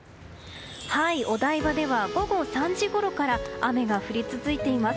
お台場では午後３時ごろから雨が降り続いています。